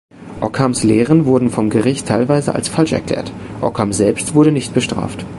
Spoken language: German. Ockhams Lehren wurden vom Gericht teilweise als falsch erklärt, Ockham selbst wurde nicht bestraft.